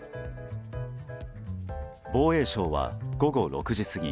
防衛省は午後６時過ぎ